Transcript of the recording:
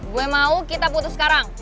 gue mau kita putus sekarang